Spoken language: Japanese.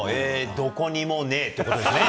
どこにもねえってことですね。